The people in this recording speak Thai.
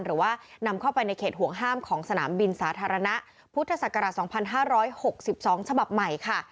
หรือว่านำเข้าไปในเขตห่วงห้ามของสนามบินสาธารณะพุทธศักราช๒๕๖๒ฉบับใหม่ค่ะ